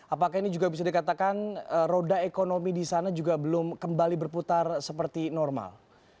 apakah ini juga bisa dikatakan roda ekonomi di sana juga belum kembali berputar seperti normal